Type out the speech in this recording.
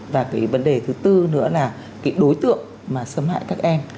và cái vấn đề thứ tư nữa là cái đối tượng mà xâm hại các em